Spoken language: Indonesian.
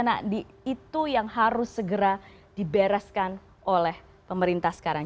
nah itu yang harus segera dibereskan oleh pemerintah sekarang